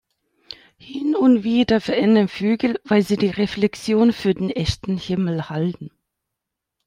Hin und wieder verenden Vögel, weil sie die Reflexion für den echten Himmel halten.